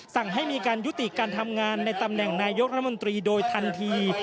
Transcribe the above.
สั่งให้มีการยุติการทำงานในตำแหน่งนายกรัฐมนตรีโดยทันที